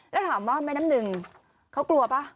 แล้วถามว่าแม่น้ำหนึ่งเขากลัวป่ะ